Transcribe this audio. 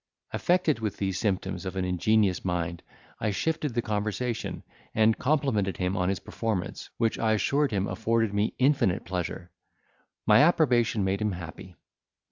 Affected with these symptoms of an ingenuous mind, I shifted the conversation, and complimented him on his performance, which I assured him afforded me infinite pleasure. My approbation made him happy.